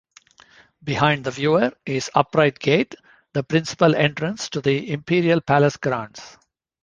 Behind the viewer is Upright Gate, the principal entrance to the imperial palace grounds.